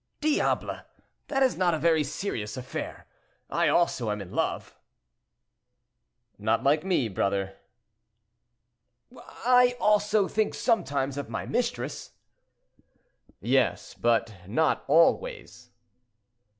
"Diable! that is not a very serious affair; I also am in love." "Not like me, brother." "I, also, think sometimes of my mistress." "Yes, but not always."